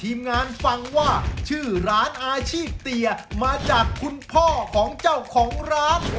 เรียนมันฟังว่าชื่อออาชีตเตียมาจากคุณพ่อของเจ้าของร้าน